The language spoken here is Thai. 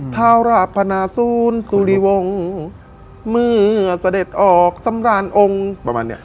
ทาวราพนาซูนสุริวงศ์สเด็ดออกสำราญองค์ประมาณเนี้ย